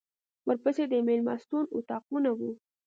ورپسې د مېلمستون اطاقونه و.